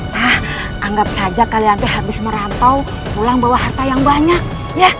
nah anggap saja kalian itu habis merantau pulang bawa harta yang banyak ya